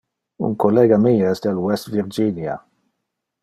Un collega mie es del West Virginia.